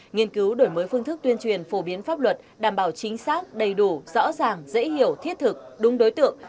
nghiên cứu đổi mới phương thức tuyên truyền phổ biến pháp luật đảm bảo chính xác đầy đủ rõ ràng dễ hiểu thiết thực đúng đối tượng